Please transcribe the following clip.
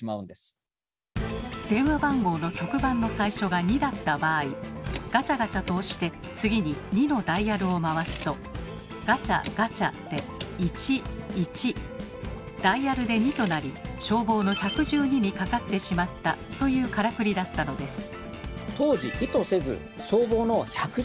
電話番号の局番の最初が「２」だった場合ガチャガチャと押して次に「２」のダイヤルを回すとガチャ・ガチャで「１・１」ダイヤルで「２」となり消防の１１２にかかってしまったというカラクリだったのです。